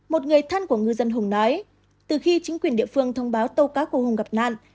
một người thân của ngư dân hùng nói từ khi chính quyền địa phương thông báo tàu cá của hùng gặp nạn